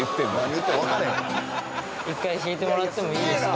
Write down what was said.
一回弾いてもらってもいいですか？